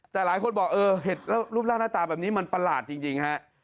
แต่หลายคนบอกเออเห็นแล้วรูปร่างหน้าตาแบบนี้มันประหลาดจริงฮะ